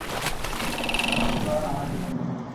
তোমার পরিবার আমায় বেকার বলে খেপাতে থাকে?